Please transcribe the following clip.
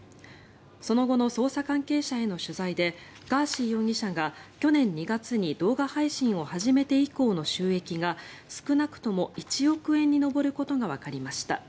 その後の捜査関係者への取材でガーシー容疑者が去年２月に動画配信を始めて以降の収益が少なくとも１億円に上ることがわかりました。